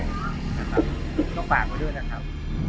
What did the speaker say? นะครับก็ฝากไว้ด้วยนะครับ